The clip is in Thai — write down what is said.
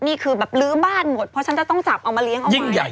นี่คือแบบลื้อบ้านหมดเพราะฉันจะต้องจับเอามาเลี้ยงเอาไว้